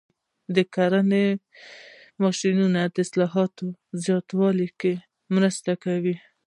د کرنې ماشینونه د حاصلاتو په زیاتوالي کې مرسته کوي.